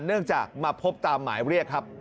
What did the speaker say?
เนื่องจากมาพบตามหมายเรียกครับ